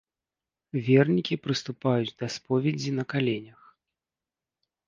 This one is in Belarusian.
Вернікі прыступаюць да споведзі на каленях.